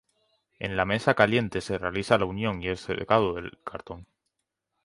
En la mesa caliente se realiza la unión y el secado del cartón.